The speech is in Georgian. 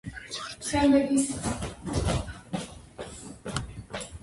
ტყუილის მთქმელს მართალსაც არ დაუჯერებენ